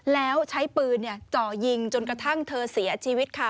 แล้วใช้ปืนจ่อยิงจนกระทั่งเธอเสียชีวิตค่ะ